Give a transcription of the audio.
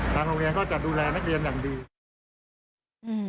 ทางโรงเรียนก็จะดูแลนักเรียนอย่างดีนะครับ